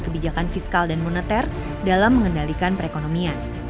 kebijakan fiskal dan moneter dalam mengendalikan perekonomian